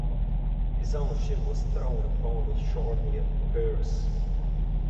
His own ship was thrown upon the shore near Epirus.